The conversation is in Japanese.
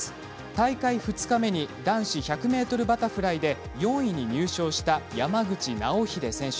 大会２日目に男子１００ｍバタフライで４位に入賞した山口尚秀選手。